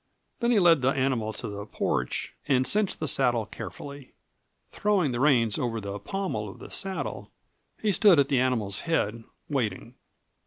Then he led the animal to the porch and cinched the saddle carefully. Throwing the reins over the pommel of the saddle, he stood at the animal's head, waiting.